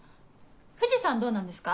藤さんどうなんですか？